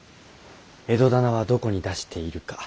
江戸店はどこに出しているか。